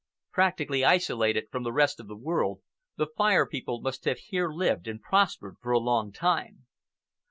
Practically isolated from the rest of the world, the Fire People must have here lived and prospered for a long time.